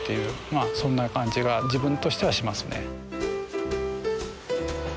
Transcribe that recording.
まあそんな感じが自分としてはしますね。